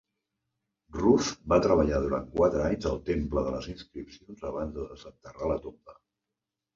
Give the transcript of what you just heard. Ruz va treballar durant quatre anys al Temple de les Inscripcions abans de desenterrar la tomba.